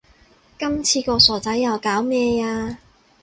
今次個傻仔又搞咩呀